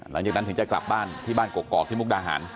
หลังจากนั้นถึงจะกลับบ้านที่บ้านกกอกที่มุกดาหาร